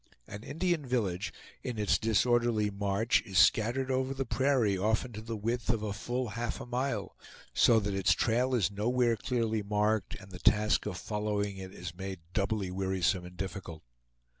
An Indian village, in its disorderly march, is scattered over the prairie, often to the width of full half a mile; so that its trail is nowhere clearly marked, and the task of following it is made doubly wearisome and difficult.